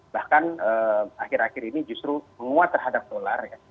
bahkan akhir akhir ini justru menguat terhadap dolar ya